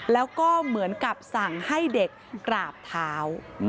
แล้วก็เหมือนกับสั่งให้เด็กกราบเท้า